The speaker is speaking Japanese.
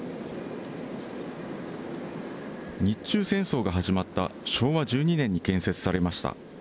日中戦争が始まった昭和１２年に建設されました。